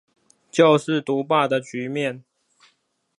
就是獨霸的局面